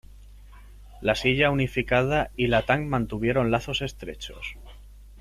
La Silla unificada y la Tang mantuvieron lazos estrechos.